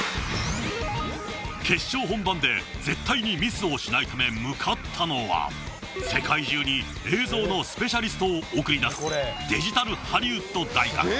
決勝本番で絶対にミスをしないため向かったのは世界中に映像のスペシャリストを送り出すデジタルハリウッド大学。